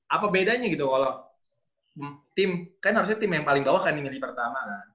apa bedanya gitu kalau tim kan harusnya tim yang paling bawah kan di media pertama kan